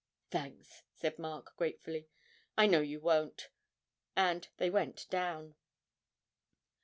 'Thanks,' said Mark, gratefully; 'I know you won't,' and they went down.